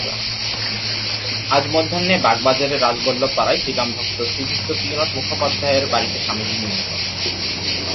আজ মধ্যাহ্নে বাগবাজারের রাজবল্লভপাড়ায় শ্রীরামকৃষ্ণ-ভক্ত শ্রীযুক্ত প্রিয়নাথ মুখোপাধ্যায়ের বাড়ীতে স্বামীজীর নিমন্ত্রণ।